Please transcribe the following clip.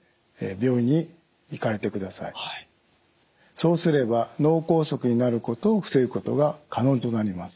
そうすれば脳梗塞になることを防ぐことが可能となります。